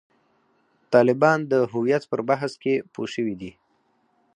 طالبان د هویت پر بحث کې پوه شوي دي.